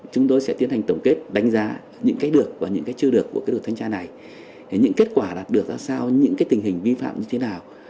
chúng tôi sẽ tiến hành tổng kết đánh giá những cái được và những cái chưa được của đột thanh tra này những kết quả đạt được ra sao những tình hình vi phạm như thế nào